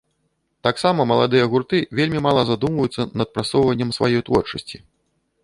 Таксама маладыя гурты вельмі мала задумваюцца над прасоўваннем сваёй творчасці.